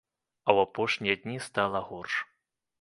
А ў апошнія дні стала горш.